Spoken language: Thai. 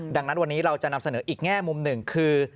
ดังนั้นวันนี้เราจะนำเสนออีกแง่มุมหนึ่งคือ